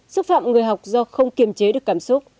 xúc phạm người học do không kiềm chế được cảm xúc